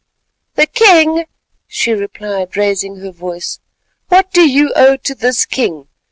"The king!" she replied raising her voice. "What do you owe to this king?